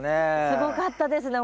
すごかったですね。